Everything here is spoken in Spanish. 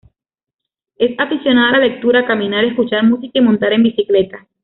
Es aficionada a la lectura, caminar, escuchar música y montar en bicicleta.